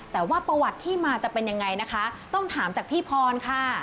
แต่ว่าประวัติที่มาจะเป็นยังไงนะคะต้องถามจากพี่พรค่ะ